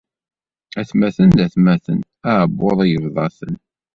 Atmaten d atmaten, aɛbbuḍ yebḍa-ten.